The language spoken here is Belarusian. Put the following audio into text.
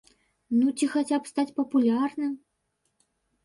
Ну ці хаця б стаць папулярным?